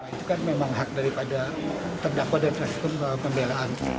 itu kan memang hak daripada terdakwa dan presidium pembelaan